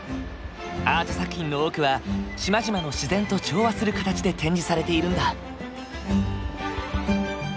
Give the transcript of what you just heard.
アート作品の多くは島々の自然と調和する形で展示されているんだ。